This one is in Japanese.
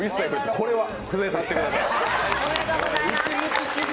これは触れさせてください。